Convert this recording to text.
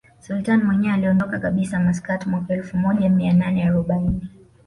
Sultani mwenyewe aliondoka kabisa Maskat mwaka elfu moja mia nane arobaini